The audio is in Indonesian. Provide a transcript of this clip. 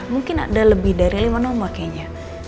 mungkin ada lebih dari lima nomor kayaknya